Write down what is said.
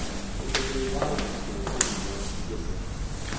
It had been wiser to have been more explicit.